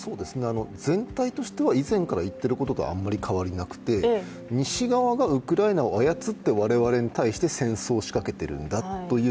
全体としては以前から言っていることとあんまり変わりはなくて西側がウクライナを操って我々に対して戦争を仕掛けてきているんだという